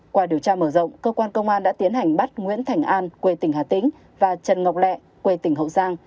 qua điều tra mở rộng cơ quan công an đã tiến hành bắt nguyễn thành an quê tỉnh hà tĩnh và trần ngọc lẹ quê tỉnh hậu giang